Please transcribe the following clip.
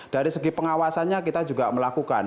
dari segi pengawasannya kita juga melakukan